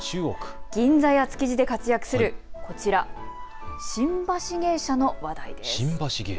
銀座や築地で活躍するこちら、新橋芸者の話題です。